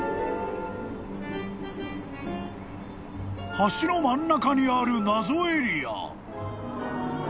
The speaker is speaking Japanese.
［橋の真ん中にある謎エリア］